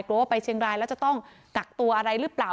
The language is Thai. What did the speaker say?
ว่าไปเชียงรายแล้วจะต้องกักตัวอะไรหรือเปล่า